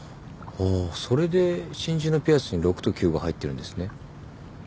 ああそれで真珠のピアスに６と９が入ってるんですね。